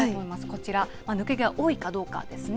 こちら、抜け毛、多いかどうかですね。